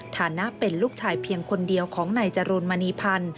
ฐานะเป็นลูกชายเพียงคนเดียวของนายจรูลมณีพันธ์